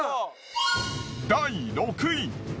第６位。